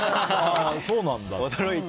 そうなんだって。